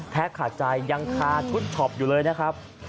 ขาดใจยังคาชุดช็อปอยู่เลยนะครับ